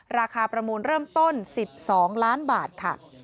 ประมูลเริ่มต้น๑๒ล้านบาทค่ะ